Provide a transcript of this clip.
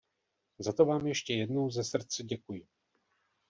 Za to vám ještě jednou ze srdce děkuji!